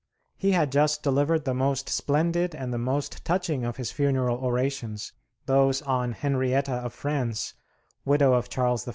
He had just delivered the most splendid and the most touching of his funeral orations, those on Henrietta of France, widow of Charles I.